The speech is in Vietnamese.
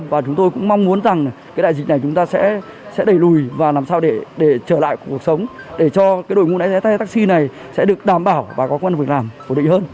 và chúng tôi cũng mong muốn rằng cái đại dịch này chúng ta sẽ đẩy lùi và làm sao để trở lại cuộc sống để cho đội ngũ lái xe taxi này sẽ được đảm bảo và có công an việc làm ổn định hơn